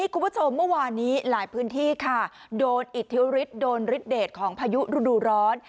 คุณผู้ชมเมื่อวานนี้หลายพื้นที่ค่ะโดนอิทธิฤทธิ์โดนฤทธเดทของพายุฤดูร้อน